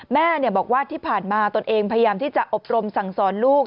แม่บอกว่าที่ผ่านมาตนเองพยายามที่จะอบรมสั่งสอนลูก